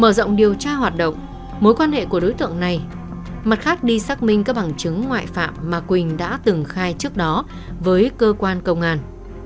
mở rộng điều tra hoạt động mối quan hệ của đối tượng này mặt khác đi xác minh các bằng chứng ngoại phạm mà quỳnh đã từng khai trước đó với cơ quan công an